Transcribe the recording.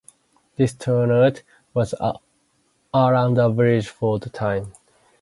This turnout was around average for the time.